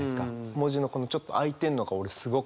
文字のこのちょっと空いてるのが俺すごく好きで。